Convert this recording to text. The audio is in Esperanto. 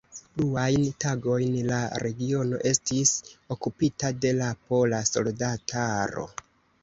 Pluajn tagojn la regiono estis okupita de la pola soldataro.